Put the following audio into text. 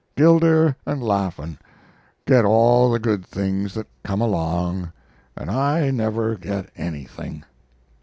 Gilder and Laffan get all the good things that come along and I never get anything."